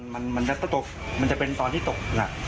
มันก็ตกมันจะเป็นตอนที่ตกหนัก